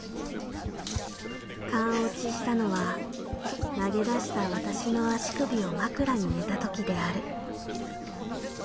「完オチしたのは投げ出した私の足首を枕に寝たときである」。